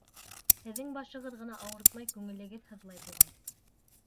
Һеҙҙең башығыҙ ғына ауыртмай, күңелегеҙ һыҙлай, буғай.